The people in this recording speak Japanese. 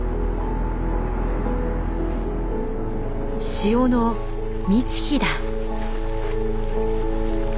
潮の満ち干だ。